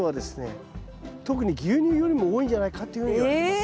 特に牛乳よりも多いんじゃないかっていうふうにいわれてます。